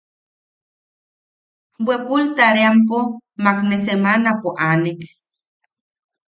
Bwepul tareampo makne semanapo aanek;.